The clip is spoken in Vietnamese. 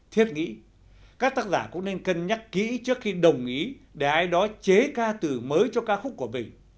thiết nghĩ các tác giả cũng nên cân nhắc kỹ trước khi đồng ý để ai đó chế ca từ mới cho ca khúc của mình